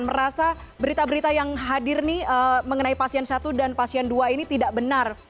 merasa berita berita yang hadir nih mengenai pasien satu dan pasien dua ini tidak benar